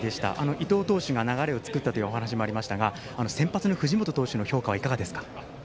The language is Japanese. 伊藤投手が流れを作ったというお話もありましたが先発の藤本投手の評価はいかがですか。